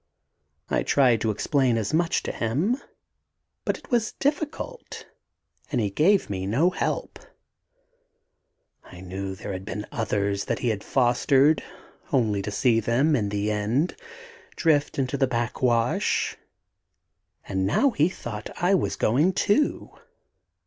I tried to explain as much to him but it was difficult, and he gave me no help. I knew there had been others that he had fostered, only to see them, in the end, drift into the back wash. And now he thought I was going too....